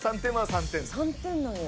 「３点なんや」